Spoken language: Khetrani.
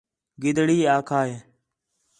گِدڑی آکھا ہِے